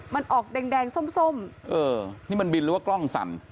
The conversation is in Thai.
มันออกแดงแดงส้มเออนี่มันบินหรือกล้องสัม